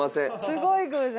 すごい偶然。